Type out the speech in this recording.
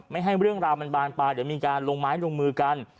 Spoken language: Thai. ไม่ให้เวลามันบาลปายจะมีการลงไม้ลงมือกัน